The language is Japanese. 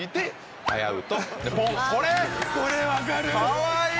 かわいい！